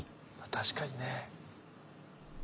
確かにね。